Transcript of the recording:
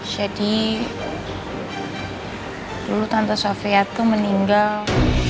jadi tante sofia tuh pengen tau